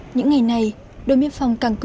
những ngày này đôi miếng phòng càng cửa lò bến thủy